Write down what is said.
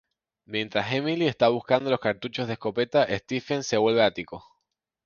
Mientras Emily está buscando los cartuchos de escopeta Stephen se vuelve ático.